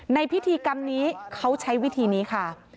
ในพิธีกรรมนี้เขาใช้วิธีนี้ค่ะ